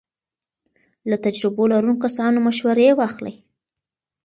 له تجربو لرونکو کسانو مشورې واخلئ.